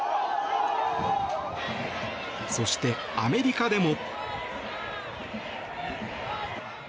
そして、アメリカでも。